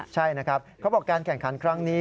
ใช่นะครับเขาบอกการแข่งขันครั้งนี้